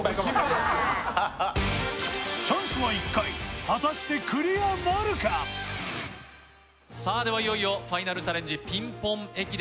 チャンスは１回さあではいよいよファイナルチャレンジピンポン駅伝